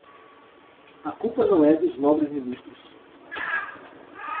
A culpa não é dos nobres ministros.